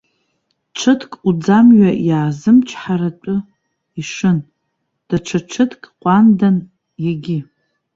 Ҽыҭк уӡамҩа иаазымчҳаратәы ишын, даҽа ҽыҭк ҟәандан, егьи.